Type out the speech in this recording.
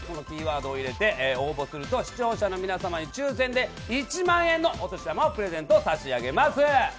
キーワードを入れて応募すると視聴者の皆様に抽選で１万円のお年玉をプレゼント差し上げます。